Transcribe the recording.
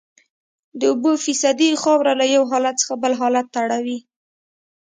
د اوبو فیصدي خاوره له یو حالت څخه بل حالت ته اړوي